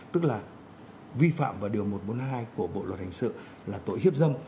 tức là vi phạm vào điều một trăm bốn mươi hai của bộ luật hình sự là tội hiếp dâm